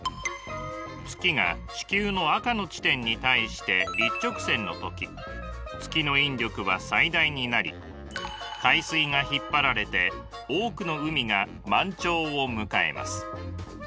月が地球の赤の地点に対して一直線の時月の引力は最大になり海水が引っ張られて多くの海が満潮を迎えます。